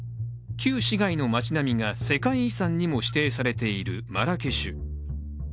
旧市街の町並みが世界遺産にも指定されているマラケシュ。